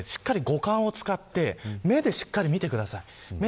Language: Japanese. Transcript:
数日間は、皆さんもしっかり五感を使って目でしっかり見てください。